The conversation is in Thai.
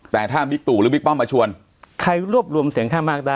แต่ถ้าบิ๊กตู้หรือบิ๊กปล้อมมาชวน